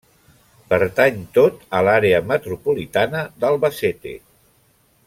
Pertany tot a l'Àrea metropolitana d'Albacete.